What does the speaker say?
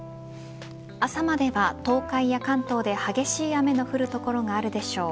朝までは東海や関東で激しい雨の降る所があるでしょう。